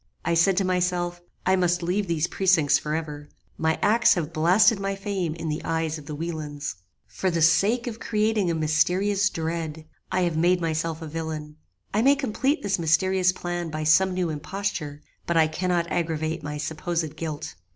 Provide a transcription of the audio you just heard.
I said to myself, I must leave these precincts for ever. My acts have blasted my fame in the eyes of the Wielands. For the sake of creating a mysterious dread, I have made myself a villain. I may complete this mysterious plan by some new imposture, but I cannot aggravate my supposed guilt.